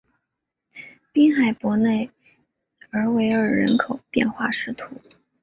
滨海伯内尔维尔人口变化图示